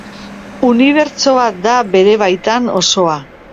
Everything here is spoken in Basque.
Unibertso bat da bere baitan osoa.